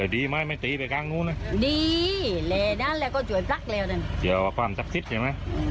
ดีแล้วนั่นก็จุดพลักเร็ว